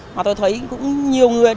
mà tôi thấy cũng nhiều người